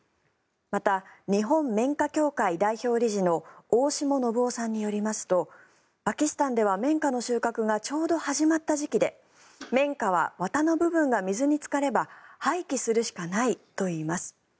また、日本綿花協会代表理事の大下信雄さんによりますとパキスタンでは綿花の収穫がちょうど始まった時期で綿花は、綿の部分が水につかれば廃棄するしかないといいます。